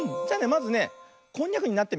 まずねこんにゃくになってみよう。